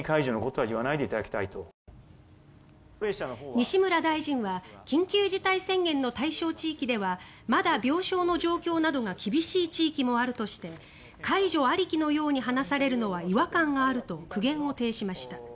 西村大臣は緊急事態宣言の対象地域ではまだ病床の状況などが厳しい地域もあるとして解除ありきのように話されるのは違和感があると苦言を呈しました。